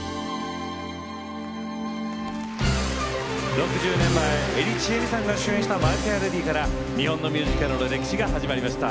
６０年前江利チエミさんが主演した「マイ・フェア・レディ」から日本のミュージカルの歴史が始まりました。